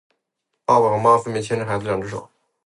爸爸和妈妈分别牵着孩子的两只手